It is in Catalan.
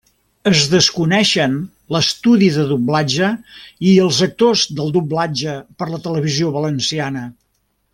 Es desconeixen l'estudi de doblatge i els actors del doblatge per a Televisió Valenciana.